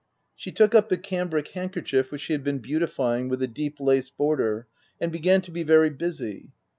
She took up the cambric handkerchief which she had been beautifying with a deep lace border, and began to be very busy.